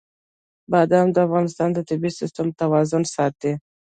بادام د افغانستان د طبعي سیسټم توازن ساتي.